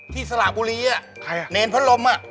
ที่สละบุรีอ่ะเณรพะลมอ่ะ